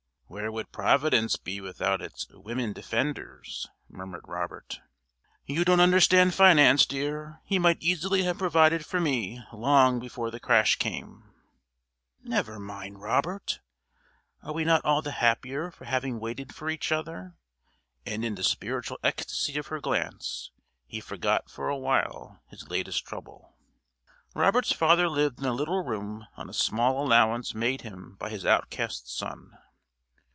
"Where would Providence be without its women defenders?" murmured Robert. "You don't understand finance, dear. He might easily have provided for me long before the crash came." "Never mind, Robert. Are we not all the happier for having waited for each other?" And in the spiritual ecstasy of her glance he forgot for a while his latest trouble. Robert's father lived in a little room on a small allowance made him by his outcast son.